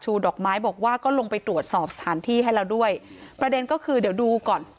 ดอกไม้บอกว่าก็ลงไปตรวจสอบสถานที่ให้เราด้วยประเด็นก็คือเดี๋ยวดูก่อน